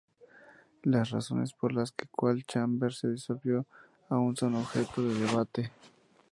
Las razones por las que Coal Chamber se disolvió aún son objeto de debate.